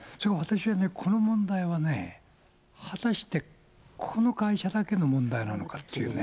私はね、この問題はね、果たして、この会社だけの問題なのかっていうね。